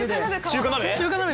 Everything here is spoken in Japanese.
中華鍋？